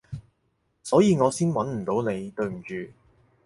所以我先搵唔到你，對唔住